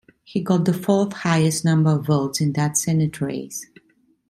He got the fourth highest number of votes in that Senate race.